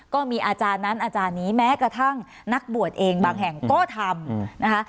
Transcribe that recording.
ก็มีอาจารย์นั้นอาจารย์นี้แม้กระทั่งนักบวชเองบางแห่งก็ทำนะคะ